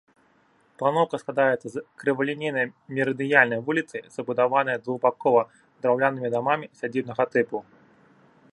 Планоўка складаецца з крывалінейнай мерыдыянальнай вуліцы, забудаванай двухбакова драўлянымі дамамі сядзібнага тыпу.